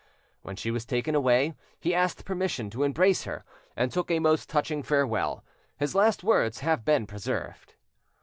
When she was taken away, he asked permission to embrace her, and took a most touching farewell. His last words have been preserved.